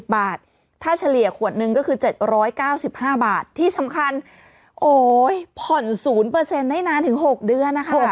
๕๔๐บาทถ้าเฉลี่ยขวดนึงก็คือ๗๙๕บาทที่สำคัญโอ้ยผ่อน๐เปอร์เซ็นต์ได้นานถึง๖เดือนนะคะ